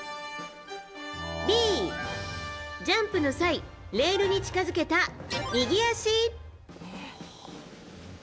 Ｂ、ジャンプの際レールに近づけた右足。